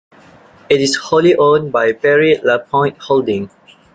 It is wholly owned by Barry Lapointe Holding.